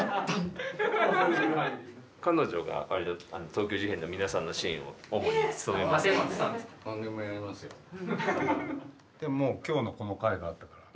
彼女が東京事変の皆さんのシーンを主に務めますので。